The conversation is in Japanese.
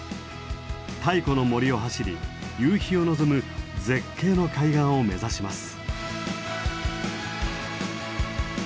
太古の森を走り夕日を望む絶景の海岸を目指します。